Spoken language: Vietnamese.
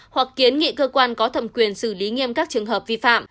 hoặc kiến nghị cơ quan có thẩm quyền xử lý nghiêm các trường hợp vi phạm